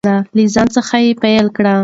له ځان څخه یې پیل کړئ.